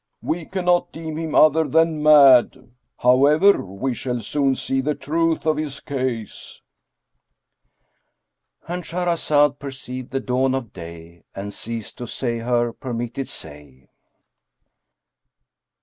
We cannot deem him other than mad; however, we shall soon see the truth of his case."—And Shahrazad perceived the dawn of day and ceased to say her permitted say.